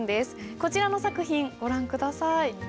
こちらの作品ご覧下さい。